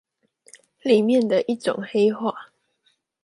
裡面的一種黑話